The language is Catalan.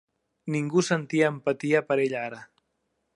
Ningú sentia empatia per ella ara.